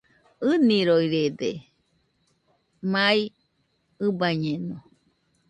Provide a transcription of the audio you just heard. ɨniroirede, mai ɨbañeno